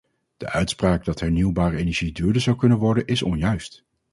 De uitspraak dat hernieuwbare energie duurder zou kunnen worden, is onjuist.